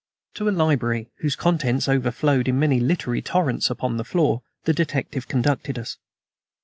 To a library, whose contents overflowed in many literary torrents upon the floor, the detective conducted us.